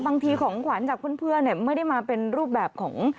บางทีของขวานจากเพื่อนเนี่ยไม่ได้มาเป็นรูปแบบของ